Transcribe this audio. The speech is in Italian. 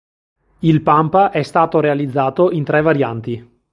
Il Pampa è stato realizzato in tre varianti.